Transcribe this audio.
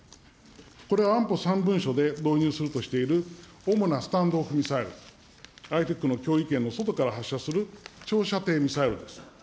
これは安保３文書で導入するとしている、主なスタンド・オフ・ミサイル、相手国の脅威圏の外から発射する長射程ミサイルです。